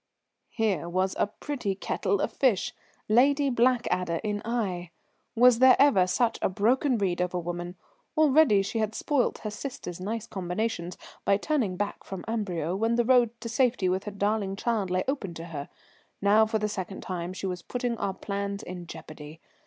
Here was a pretty kettle of fish! Lady Blackadder in Aix! Was there ever such a broken reed of a woman? Already she had spoilt her sister's nice combinations by turning back from Amberieu when the road to safety with her darling child lay open to her. Now for the second time she was putting our plans in jeopardy.